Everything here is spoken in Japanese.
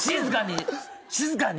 静かに！